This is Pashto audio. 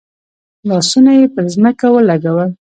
لاسونه یې پر ځمکه ولګول.